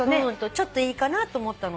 ちょっといいかなと思ったので。